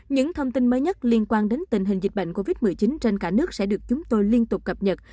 những thông tin mới nhất liên quan đến tình hình dịch bệnh covid một mươi chín trên cả nước sẽ được chúng tôi liên tục cập nhật